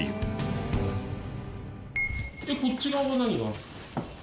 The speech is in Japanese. こっち側は何があるんですか？